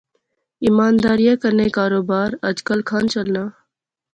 ایمانداریا کنے کاروباری اج کل کھان چلنا؟